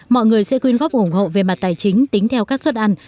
mọi người sẽ quyên góp ủng hộ về mặt tài chính tính theo các suất ăn